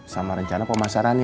sama rencana pemasarannya